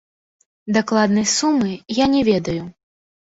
Дакладнай сумы я не ведаю.